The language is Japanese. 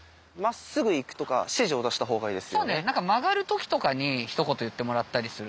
そうね曲がる時とかにひと言言ってもらったりすると。